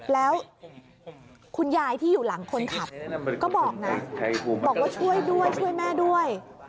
แล้วคุณยายที่อยู่หลังคนขับก็บอกนะบอกว่าช่วยด้วยช่วยแม่ด้วย